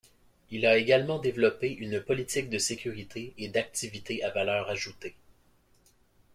Il a également développé une politique de sécurité et d'activité à valeur ajoutée.